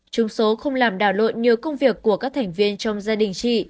trúng số không làm đảo lộn như công việc của các thành viên trong gia đình chị